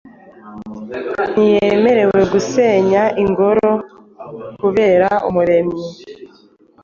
Ntiyemerewe gusenya ingorokubera Umuremyi